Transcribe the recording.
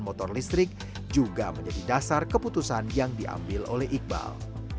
motor listrik juga menjadi dasar keputusan yang diambil oleh iqbal